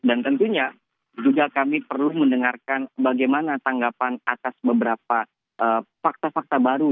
dan tentunya juga kami perlu mendengarkan bagaimana tanggapan atas beberapa fakta fakta baru